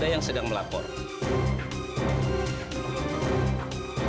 petuleng perang dilek grafik uruch